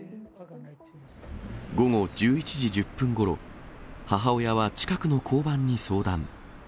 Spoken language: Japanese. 午後１１時１０分ごろ、母親は近くの交番に相談。